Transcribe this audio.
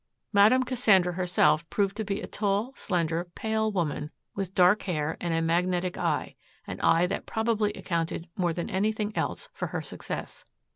Madame Cassandra herself proved to be a tall, slender, pale woman with dark hair and a magnetic eye, an eye that probably accounted more than anything else for her success.